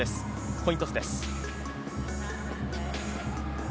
コイントスです。